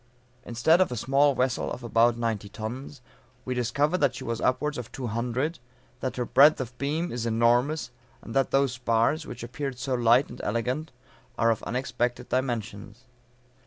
Instead of a small vessel of about ninety tons, we discover that she is upwards of two hundred; that her breadth of beam is enormous; and that those spars which appeared so light and elegant, are of unexpected dimensions.